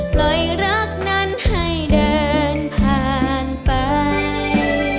ปล่อยรักนั้นให้เดินผ่านไป